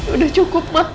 udah cukup ma